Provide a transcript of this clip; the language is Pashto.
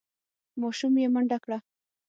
ماشوم یې منډه کړه.